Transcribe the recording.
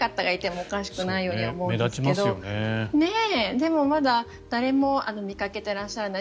でもまだ誰も見かけていらっしゃらない。